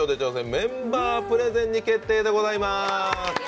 メンバープレゼンに決定でございます！